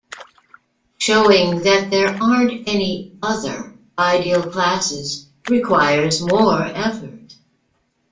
Showing that there aren't any "other" ideal classes requires more effort.